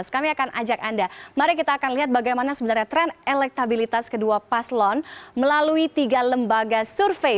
kami akan ajak anda mari kita akan lihat bagaimana sebenarnya tren elektabilitas kedua paslon melalui tiga lembaga survei